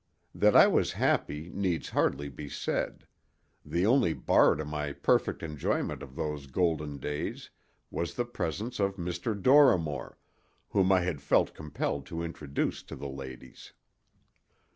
That I was happy needs hardly be said; the only bar to my perfect enjoyment of those golden days was the presence of Dr. Dorrimore, whom I had felt compelled to introduce to the ladies.